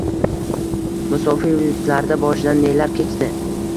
Musofir yurtlarda boshidan nelar kechdi